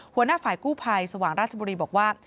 หัวหน้าฝ่ายกู้ภัยสว่างราชบุรีบอกว่า